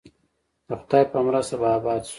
د خدای په مرسته به اباد شو؟